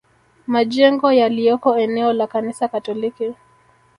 Majengo yaliyoko eneo la Kanisa Katoliki